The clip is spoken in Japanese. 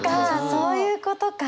そういうことか。